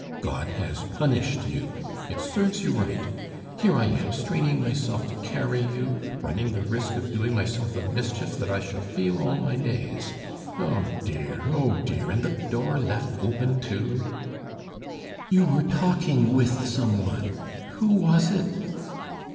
God has punished you! It serves you right! Here I am straining myself to carry you, running the risk of doing myself a mischief that I shall feel all my days. Oh dear, oh dear! and the door left open too " "You were talking with some one. Who was it?"